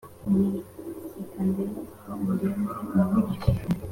nti « seka ndebe uko undenza umucyo,